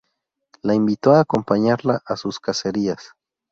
La invitó a acompañarla a su cacerías.